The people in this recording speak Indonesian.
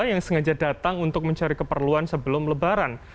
yang sengaja datang untuk mencari keperluan sebelum lebaran